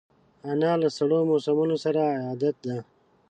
انا له سړو موسمونو سره عادت ده